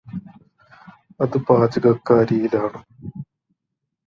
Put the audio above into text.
അത് പാചകക്കാരിയിലാണ്